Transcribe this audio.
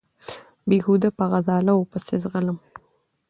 بېهوده په غزاله وو پسې ځغلم